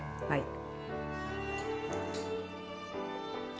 はい。